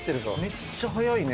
めっちゃ早いね。